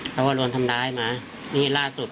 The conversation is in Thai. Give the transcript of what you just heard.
เพราะว่าโดนทำร้ายมานี่ล่าสุด